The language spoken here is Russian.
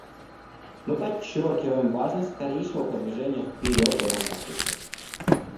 Мы подчеркиваем важность скорейшего продвижения вперед в этом процессе.